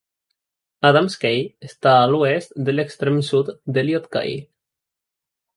Adams Key està a l'oest de l'extrem sud d'Elliot Key.